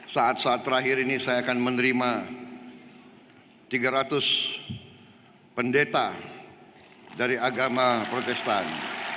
saat saat terakhir ini saya akan menerima tiga ratus pendeta dari agama protestan